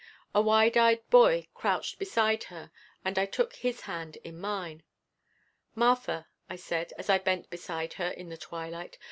The wide eyed boy crouched beside her and I took his hand in mine. "Martha," I said, as I bent beside her in the twilight.